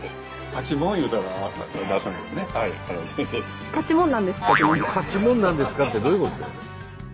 「パチモンなんですか？」ってどういうこと？